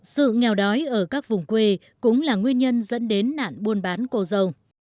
sự nghèo đói ở các vùng quê cũng là nguyên nhân dẫn đến nạn buôn bán cổ dầu